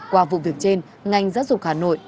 qua vụ việc trên ngành giáo dục hà nội